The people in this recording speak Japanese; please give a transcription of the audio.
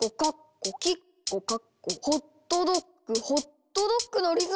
「ホットドッグホットドッグ」のリズムだ！